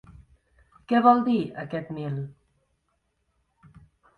Què vol dir, aquest mil?